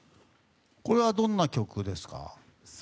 これはどんな曲ですか？